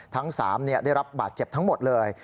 ทั้ง๓ได้รับบาดเจ็บทั้งหมดเลย